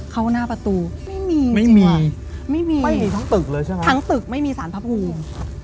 เข้าหน้าประตูไม่มีไม่มีทั้งตึกเลยใช่ไหมทั้งตึกไม่มีสารพระภูมิ